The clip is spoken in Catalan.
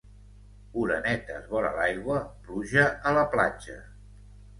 Orenetes vora l'aigua, pluja a la platja.